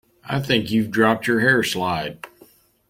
I think you’ve dropped your hair slide